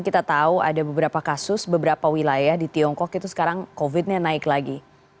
kita tahu ada beberapa kasus beberapa wilayah di tiongkok itu sekarang covid nya naik lagi